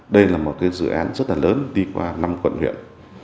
đây là một dự án rất là lớn đi qua năm quận huyện